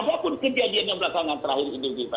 ada pun kejadian yang berlaku yang terakhir di indonesia